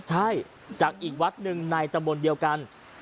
ใช่จากอีกวัดหนึ่งในตำบลเดียวกัน